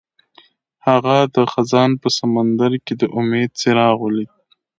هغه د خزان په سمندر کې د امید څراغ ولید.